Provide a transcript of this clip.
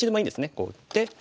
こう打って。